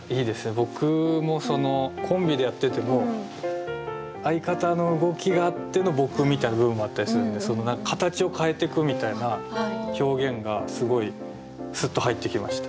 僕もコンビでやってても相方の動きがあっての僕みたいな部分もあったりするんでその何か形を変えてくみたいな表現がすごいスッと入ってきました。